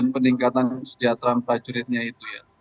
peningkatan kesejahteraan prajuritnya itu ya